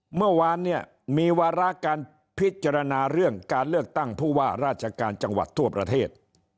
เมื่อวานเนี่ยมีวาระการพิจารณาเรื่องการเลือกตั้งผู้ว่าราชการจังหวัดทั่วประเทศ